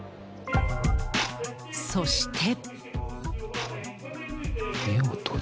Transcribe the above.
そして。